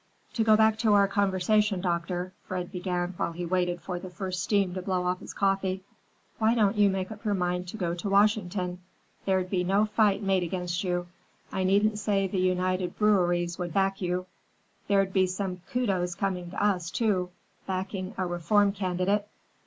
"To go back to our conversation, doctor," Fred began while he waited for the first steam to blow off his coffee; "why don't you make up your mind to go to Washington? There'd be no fight made against you. I needn't say the United Breweries would back you. There'd be some kudos coming to us, too; backing a reform candidate." Dr.